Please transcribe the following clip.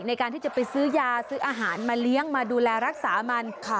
ในการที่จะไปซื้อยาซื้ออาหารมาเลี้ยงมาดูแลรักษามัน